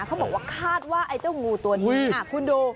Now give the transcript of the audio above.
เขาบอกว่าคาดว่าไอ้เจ้างูตัวนี้คุณดู